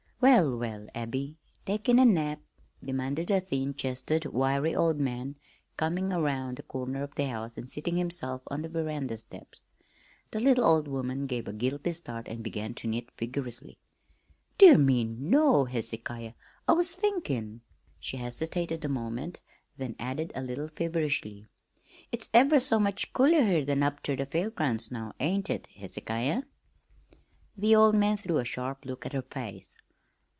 "Well, well, Abby, takin' a nap?" demanded a thin chested, wiry old man coming around the corner of the house and seating himself on the veranda steps. The little old woman gave a guilty start and began to knit vigorously. "Dear me, no, Hezekiah. I was thinkin'." She hesitated a moment, then added, a little feverishly: " it's ever so much cooler here than up ter the fair grounds now, ain't it, Hezekiah?" The old man threw a sharp look at her face.